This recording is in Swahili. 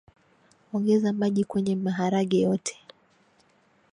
ongeza maji kwenye maharage yote